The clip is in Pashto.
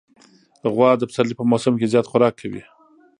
غوا د پسرلي په موسم کې زیات خوراک کوي.